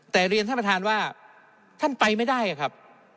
แต่เรียนท่านประธานว่าท่านไปไม่ได้ครับ